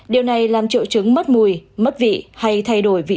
điều này làm triệu chứng mất mùi mất vị hay thay đổi vị trí